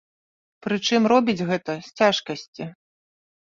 Прычым робіць гэта з цяжкасці.